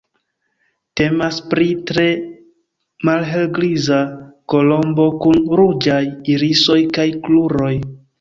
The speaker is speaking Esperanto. Temas pri tre malhelgriza kolombo kun ruĝaj irisoj kaj kruroj.